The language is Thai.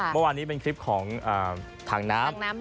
มัววันนี้คือของถังน้ำ